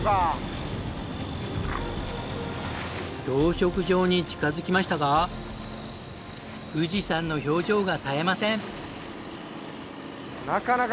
養殖場に近づきましたが宇治さんの表情がさえません。